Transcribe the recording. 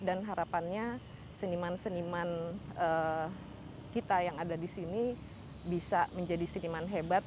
dan harapannya seniman seniman kita yang ada di sini bisa menjadi seniman hebat